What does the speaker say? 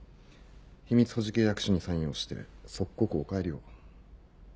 秘密保持契約書にサインをして即刻お帰りを。